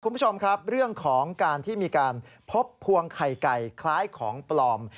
คุณผู้ชมครับเรื่องของการที่มีการพบพวงไข่ไก่คล้ายของปลอม